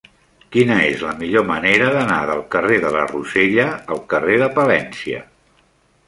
Quina és la millor manera d'anar del carrer de la Rosella al carrer de Palència?